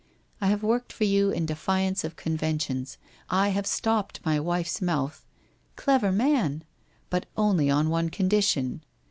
I have worked for you in defiance of conventions. I have stopped my wife's mouth '* Clever man! '* But only on one condition.